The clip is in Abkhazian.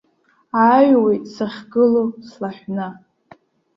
Ааҩуеит сахьгылоу слаҳәны.